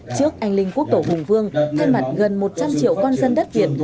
trước anh linh quốc tổ hùng vương thay mặt gần một trăm linh triệu con dân đất việt